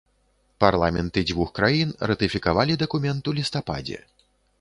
Парламенты дзвюх краін ратыфікавалі дакумент у лістападзе.